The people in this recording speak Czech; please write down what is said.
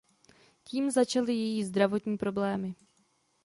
Tím začaly její zdravotní problémy.